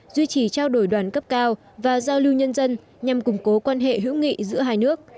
duy trì trao đổi đoàn cấp cao và giao lưu nhân dân nhằm củng cố quan hệ hữu nghị giữa hai nước